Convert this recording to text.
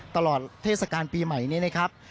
ตลอดเทศกาลปีใหม่นี้นะครับ